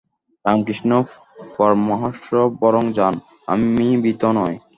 রামকৃষ্ণ পরমহংস বরং যান, আমি ভীত নই।